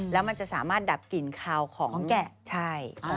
แล้วมันจะสามารถดับกลิ่นคาวของแกะใช่